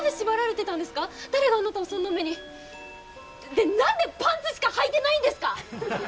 で何でパンツしかはいてないんですか！？